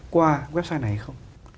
qua website này hay không